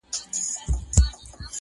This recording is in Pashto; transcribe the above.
• ناګهانه یې د بخت کاسه چپه سوه..